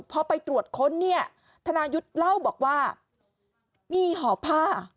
พอไปตรวจค้นเนี่ยธนายุทธ์เล่าบอกว่ามีห่อผ้า